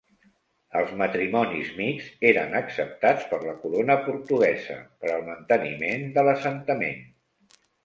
Els matrimonis mixts eren acceptats per la Corona Portuguesa, per al manteniment de l'assentament.